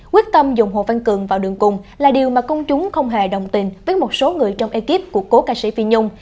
quyết tâm dùng hồ văn cường vào đường cùng là điều mà công chúng không hề đồng tình với một số người trong ekip của cố ca sĩ phi nhung